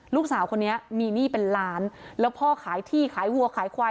ลูกสาวคนนี้มีหนี้เป็นล้านแล้วพ่อขายที่ขายวัวขายควาย